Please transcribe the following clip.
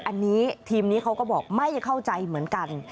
อันนี้ทีมนี้เขาก็บอกไม่เข้าใจเหมือนกัน